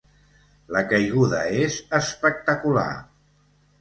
La caiguda és espectacular.